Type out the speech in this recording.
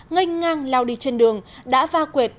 ngay ngang lao đi trên đường đã va quyệt